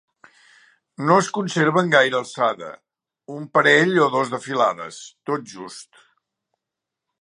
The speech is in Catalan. No es conserva en gaire alçada: un parell o dos de filades, tot just.